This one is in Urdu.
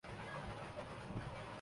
دوگریب